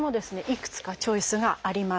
いくつかチョイスがあります。